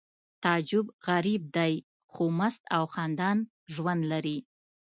تعجب غریب دی خو مست او خندان ژوند لري